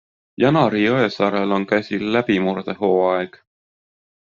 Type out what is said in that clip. Janari Jõesaarel on käsil läbimurdehooaeg?